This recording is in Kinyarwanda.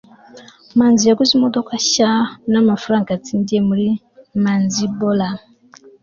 manzi yaguze imodoka nshya n'amafaranga yatsindiye muri manzibora